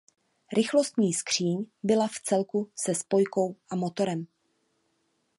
Rychlostní skříň byla v celku se spojkou a motorem.